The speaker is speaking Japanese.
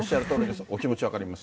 お気持ち分かります。